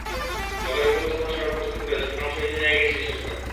নগরের গুরুত্বপূর্ণ সড়ক প্রদক্ষিণ করে চট্টগ্রাম শহীদ মিনারে গিয়ে সেটি শেষ হয়।